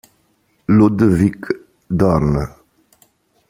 Ludwik Dorn